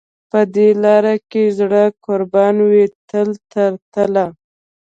په دې لار کې زړه قربان وي تل تر تله.